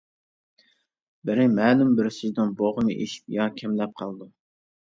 بىرى مەلۇم بىر سۆزنىڭ بوغۇمى ئېشىپ يا كەملەپ قالىدۇ.